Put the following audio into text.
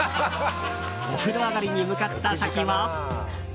お風呂上がりに向かった先は。